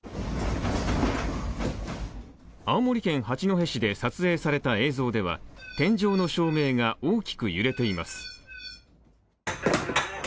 青森県八戸市で撮影された映像では天井の照明が大きく揺れています。